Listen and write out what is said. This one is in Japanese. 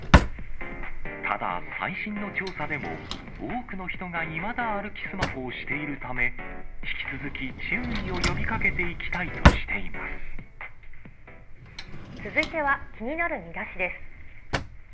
ただ、最新の調査でも、多くの人がいまだ歩きスマホをしているため、引き続き注意を呼び続いては気になるミダシです。